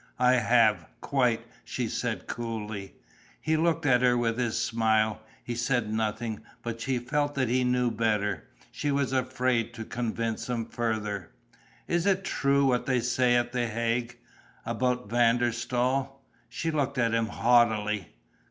"I have, quite," she said, coolly. He looked at her with his smile. He said nothing, but she felt that he knew better. She was afraid to convince him further. "Is it true, what they say at the Hague? About Van der Staal?" She looked at him haughtily.